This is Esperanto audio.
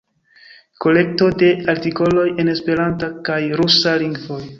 Kolekto de artikoloj en esperanta kaj rusa lingvoj.